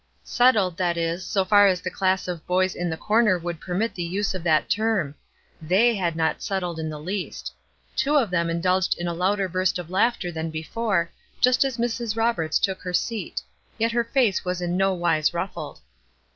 Settled, that is, so far as the class of boys in the corner would permit the use of that term. They had not settled in the least. Two of them indulged in a louder burst of laughter than before, just as Mrs. Roberts took her seat. Yet her face was in no wise ruffled.